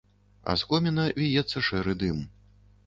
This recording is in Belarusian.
А з коміна віецца шэры дым.